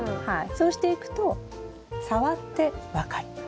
そうしていくと触って分かります。